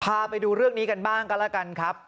พาไปดูเรื่องนี้กันบ้างก็แล้วกันครับ